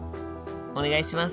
お願いします。